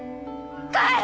帰れ！